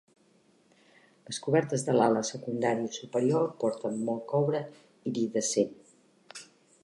Les cobertes de l'ala secundària superior porten molt coure iridescent.